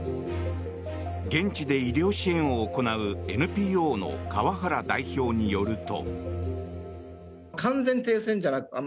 現地で医療支援を行うＮＰＯの川原代表によると。